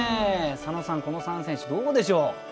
佐野さん、この３選手どうでしょう？